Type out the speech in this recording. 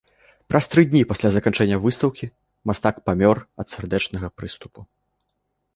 Праз тры дні пасля заканчэння выстаўкі мастак памёр ад сардэчнага прыступу.